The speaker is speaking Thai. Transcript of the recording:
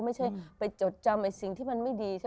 ไม่ใช่ไปจดจำสิ่งที่มันไม่ดี